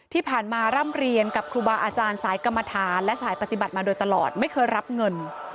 ที่ผ่านมาร่ำเรียนกับครูบาอาจารย์สายกรรมฐานและสายปฏิบัติมาโดยตลอดไม่เคยรับเงิน